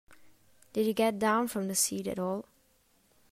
Did you get down from the seat at all?